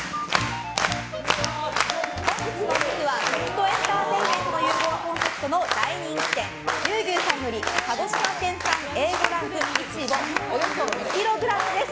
本日のお肉は、食とエンターテインメントの融合がコンセプトの大人気店牛牛さんより鹿児島県産Ａ５ランクイチボおよそ２ｋｇです。